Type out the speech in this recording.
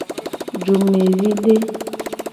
Dumevide.